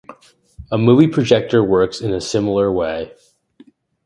A movie projector works in a similar way.